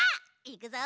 いくぞ！